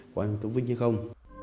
của anh hoàng thế vinh hay không